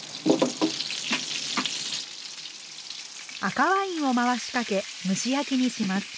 赤ワインを回しかけ蒸し焼きにします。